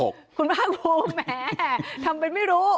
คุณภาคภูมิแหมทำเป็นไม่รู้